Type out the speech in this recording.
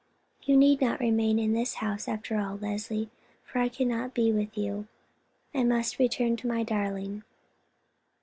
You need not remain in this house after all, Leslie, for I cannot be with you. I must return to my darling."